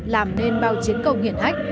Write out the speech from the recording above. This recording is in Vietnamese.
làm nên bao chiến cầu hiển hách